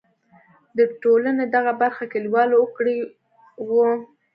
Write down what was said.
د ټولنې دغه برخه کلیوال وګړي وو.